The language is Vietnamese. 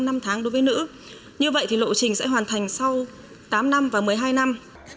trong năm tháng đối với nữ như vậy thì lộ trình sẽ hoàn thành sau tám năm và một mươi hai năm